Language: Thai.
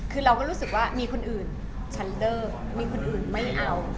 คือเราก็รู้สึกว่ามีคนอื่นฉันเลิกมีคนอื่นไม่เอา